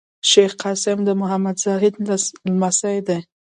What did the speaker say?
شېخ قاسم د محمد زاهد لمسی دﺉ.